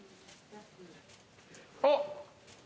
あっ！